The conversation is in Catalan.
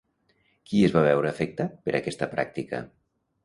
Qui es va veure afectat per aquesta pràctica?